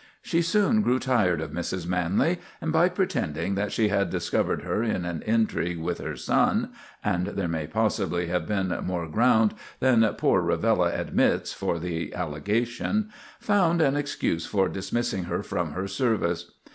She soon grew tired of Mrs. Manley; and, by pretending that she had discovered her in an intrigue with her son (and there may possibly have been more ground than poor Rivella admits for the allegation), found an excuse for dismissing her from her service.